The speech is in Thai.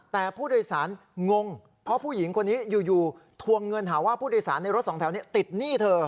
แต่ผู้โดยสารงงเพราะผู้หญิงคนนี้อยู่ทวงเงินหาว่าผู้โดยสารในรถสองแถวนี้ติดหนี้เธอ